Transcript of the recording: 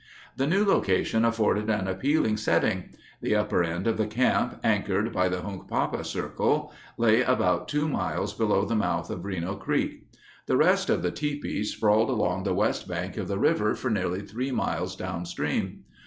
The new location afforded an appealing setting. The upper end of the camp, anchored by the Hunk papa circle, lay about two miles below the mouth of Reno Creek. The rest of the tipis sprawled along the west bank of the river for nearly three miles down stream.